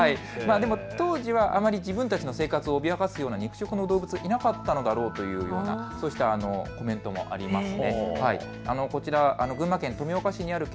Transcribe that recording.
当時はあまり自分たちの生活を脅かすような肉食の動物がいなかったんだろうというようなコメントもあります。